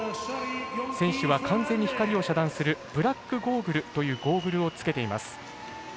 選手は完全に光を遮断するブラックゴーグルというゴーグルをつけています。